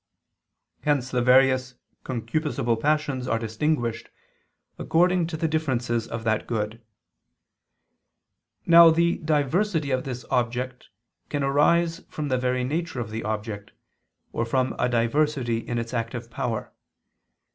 Hence the various concupiscible passions are distinguished according to the differences of that good. Now the diversity of this object can arise from the very nature of the object, or from a diversity in its active power.